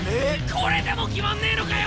これでも決まんねえのかよ！